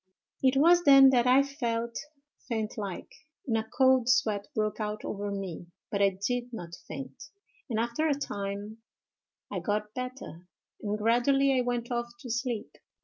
"'It was then that I felt faint like, and a cold sweat broke out over me; but I did not faint, and after a time I got better, and gradually I went off to sleep.